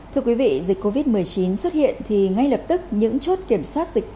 thưa quý vị dịch covid một mươi chín xuất hiện thì ngay lập tức những chốt kiểm soát dịch